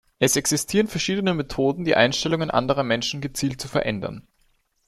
Es existieren verschiedene Methoden, die Einstellungen anderer Menschen gezielt zu verändern.